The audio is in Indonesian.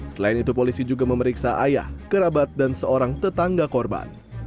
selain itu polisi juga memeriksa ayah kerabat dan seorang tetangga korban